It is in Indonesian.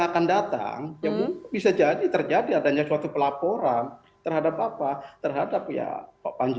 akan datang bisa jadi terjadi adanya suatu pelaporan terhadap apa terhadap ya pak panji